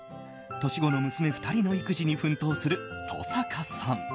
年子の娘２人の育児に奮闘する登坂さん。